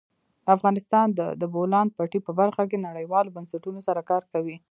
افغانستان د د بولان پټي په برخه کې نړیوالو بنسټونو سره کار کوي.